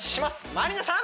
まりなさん